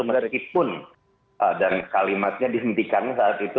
meneripun dan kalimatnya dihentikan saat itu